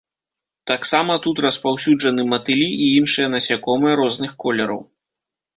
Таксама тут распаўсюджаны матылі і іншыя насякомыя розных колераў.